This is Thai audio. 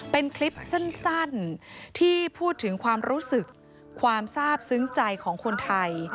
เป็นคลิปสั้นที่พูดถึงความรู้สึกความทราบซึ้งใจของคนไทย